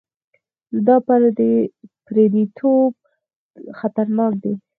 دا پرديتوب خطرناک دی.